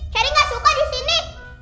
sherry gak suka disini